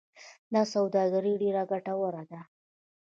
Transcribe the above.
دا سوداګري ډیره ګټوره ده.